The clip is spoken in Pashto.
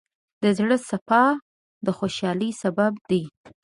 د زړۀ صفا د خوشحالۍ سبب دی.